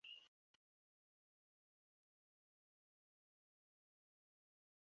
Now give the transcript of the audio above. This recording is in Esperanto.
Eble vi inversigis tion.